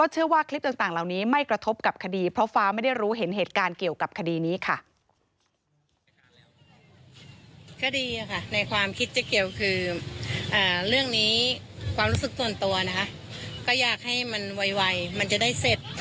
เรื่องนี้ความรู้สึกส่วนตัวนะคะก็อยากให้มันไวมันจะได้เสร็จ